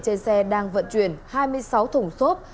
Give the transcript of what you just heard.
trên xe đang vận chuyển hai mươi sáu thùng xốp